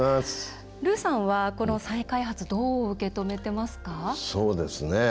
ルーさんは、この再開発どう受け止めていますか？